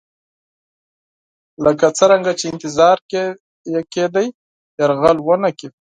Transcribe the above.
لکه څرنګه چې انتظار یې کېدی یرغل ونه کړ.